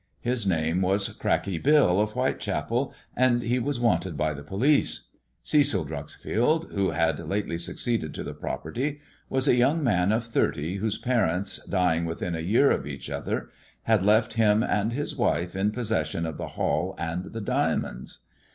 His name was Cracky Bill, of Whitechapel, and he was wanted by the police. Cecil Dreuxfield, who had lately succeeded to the property, was a young man oi \.\m:^^, ^Vq^^ ^"scc^iA^ <3Lying within a year THE IVORY LEO AND THE DIAMONDS 339 ; each other had left him and his wife in possession of the [all and the diamonds.